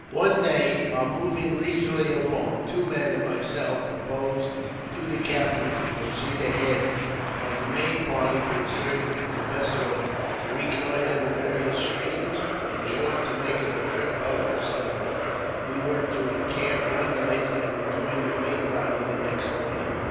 One day, while moving leisurely along, two men and myself proposed to the captain to proceed ahead of the main party to ascertain the best road, to reconnoitre the various streams — in short, to make it a trip of discovery. We were to encamp one night, and rejoin the main body the next morning.